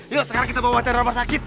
yuk sekarang kita bawa bang chandra masakit